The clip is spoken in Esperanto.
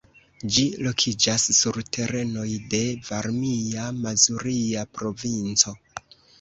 Ĝi lokiĝas sur terenoj de Varmia-Mazuria Provinco.